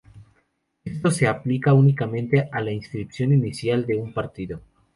Esto se aplica únicamente a la inscripción inicial de un partido.